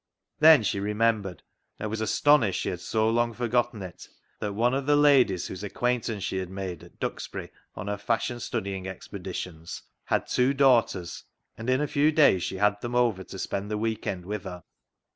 Then she remembered, and was astonished she had so long forgotten it, that one of the ladies whose acquaintance she had made at VAULTING AMBITION 265 Duxbury on her fashion studying expeditions had two daughters, and in a few days she had them over to spend the week end with her.